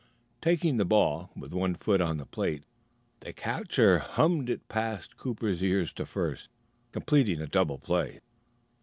Taking the ball, with one foot on the plate, the catcher hummed it past Cooper's ear to first, completing a double play.